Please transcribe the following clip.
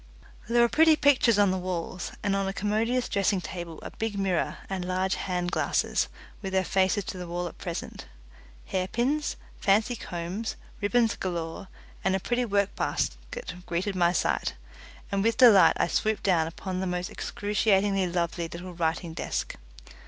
There were pretty pictures on the walls, and on a commodious dressing table a big mirror and large hand glasses, with their faces to the wall at present. Hairpins, fancy combs, ribbons galore, and a pretty work basket greeted my sight, and with delight I swooped down upon the most excruciatingly lovely little writing desk.